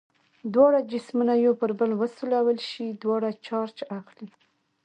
دواړه جسمونه یو پر بل وسولول شي دواړه چارج اخلي.